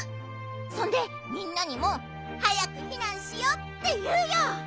そんでみんなにもはやくひなんしようっていうよ！